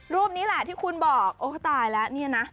รูปนี้แหละที่คุณบอกโอ้ตายแล้วเนี่ยนะ